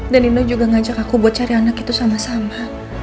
dan dino juga ngajak aku buat cari anak itu sama sama